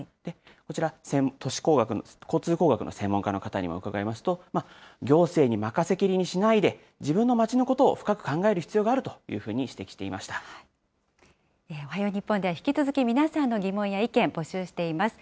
こちら、交通工学の専門家の方に伺いますと、行政に任せきりにしないで、自分の町のことを深く考える必要があるというふうに指摘していまおはよう日本では、引き続き皆さんの疑問や意見、募集しています。